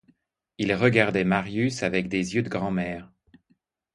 Il regardait Marius avec des yeux de grand'mère.